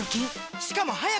しかも速く乾く！